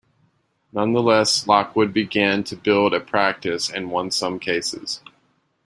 Nonetheless, Lockwood began to build a practice and won some cases.